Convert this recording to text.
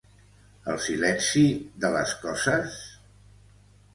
El silenci de les coses?